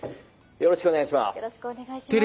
よろしくお願いします。